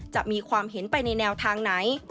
จะมีความเห็นไปในแนวทางไหน